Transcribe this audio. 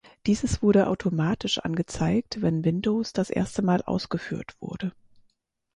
Dieses wurde automatisch angezeigt, wenn Windows das erste Mal ausgeführt wurde.